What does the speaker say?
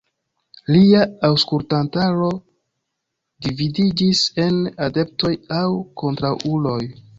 Lia aŭskultantaro dividiĝis en adeptoj aŭ kontraŭuloj.